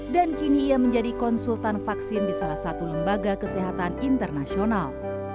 dan kini ia menjadi konsultan vaksin di salah satu lembaga kesehatan internasional